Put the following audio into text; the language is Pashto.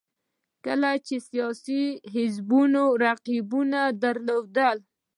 کله چې سیاسي حزبونو رقیبو ډلو ولیدل